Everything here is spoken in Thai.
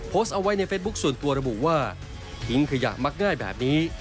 โพสต์เอาไว้ในเฟซบุ๊คส่วนตัวระบุว่าทิ้งขยะมักง่ายแบบนี้